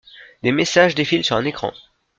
Des messages défilent sur un écran.